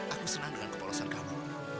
aku senang dengan kepolosan kamu